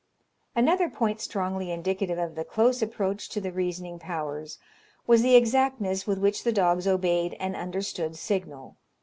Another point strongly indicative of the close approach to the reasoning powers, was the exactness with which the dogs obeyed an understood signal.